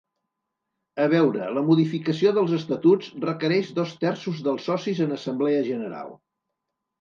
A veure, la modificació dels estatuts requereix dos terços dels socis en assemblea general.